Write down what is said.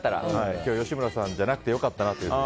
今日吉村さんじゃなくて良かったなという。